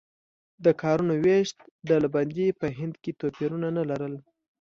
د کارونو وېش ډلبندي په هند کې توپیرونه نه لرل.